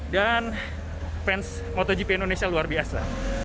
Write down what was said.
dan fans motogp indonesia luar biasa